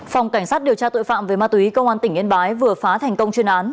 phòng cảnh sát điều tra tội phạm về ma túy công an tỉnh yên bái vừa phá thành công chuyên án